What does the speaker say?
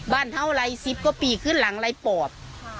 บ้านเท่าไหร่๑๐ก็ปีขึ้นหลังไล่ปอบ